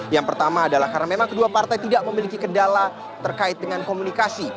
yang pertama adalah karena memang kedua partai tidak memiliki kendala terkait dengan komunikasi